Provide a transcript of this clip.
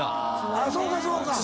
あそうかそうか。